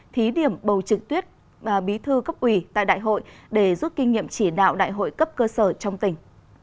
thí điểm bầu trực tuyết bí thư cấp ủy tại đại hội để giúp kinh nghiệm chỉ đạo đại hội cấp cơ sở trong tỉnh